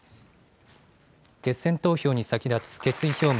決選投票に先立つ決意表明。